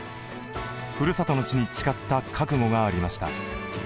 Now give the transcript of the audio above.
ふるさとの地に誓った覚悟がありました。